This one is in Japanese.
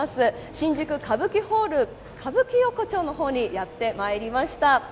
新宿カブキホール歌舞伎横丁のほうにやってまいりました。